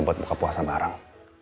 buat buka puasa bareng